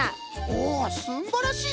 おおすんばらしい